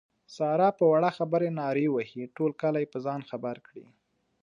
ساره په وړه خبره نارې وهي ټول کلی په ځان خبر کړي.